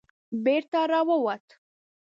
بېرته را ووت.